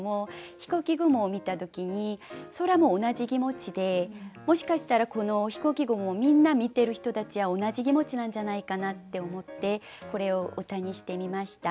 飛行機雲を見た時に空も同じ気持ちでもしかしたらこの飛行機雲をみんな見てる人たちは同じ気持ちなんじゃないかなって思ってこれを歌にしてみました。